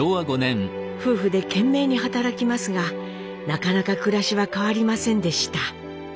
夫婦で懸命に働きますがなかなか暮らしは変わりませんでした。